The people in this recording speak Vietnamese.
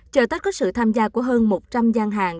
chợ tết có sự tham gia của hơn một trăm linh gian hàng